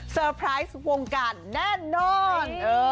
เซอร์ไพรส์วงการแน่นอน